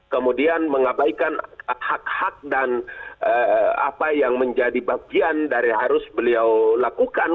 kemudian mengabaikan hak hak dan apa yang menjadi bagian dari harus beliau lakukan